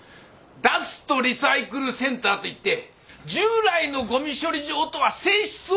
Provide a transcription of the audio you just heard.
「ダストリサイクルセンター」といって従来のゴミ処理場とは性質を異にするものなんだ！